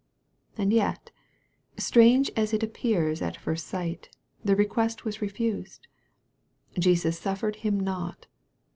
And yet, strange as it appears at first sight, the request was refused. "Jesus suffered him not."